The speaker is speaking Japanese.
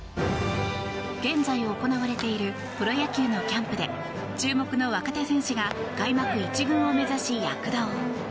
現在行われているプロ野球のキャンプで注目の若手選手が開幕１軍を目指し躍動。